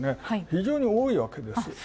非常に多いわけです。